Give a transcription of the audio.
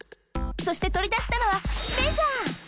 そしてとりだしたのはメジャー！